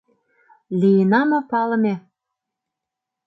Лийына мо палыме